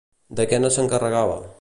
De què no s'encarregava?